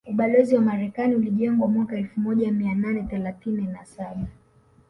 Ubalozi wa Marekani ulijengwa mwaka elfu moja mia nane thelathine na saba